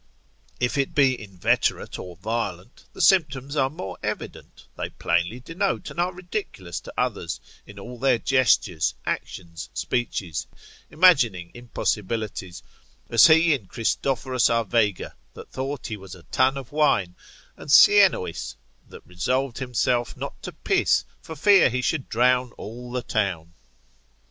If it be inveterate or violent, the symptoms are more evident, they plainly denote and are ridiculous to others, in all their gestures, actions, speeches; imagining impossibilities, as he in Christophorus a Vega, that thought he was a tun of wine, and that Siennois, that resolved within himself not to piss, for fear he should drown all the town.